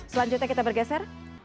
selanjutnya kita bergeser